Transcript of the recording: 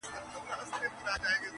ویل خدای دي عوض درکړي ملاجانه -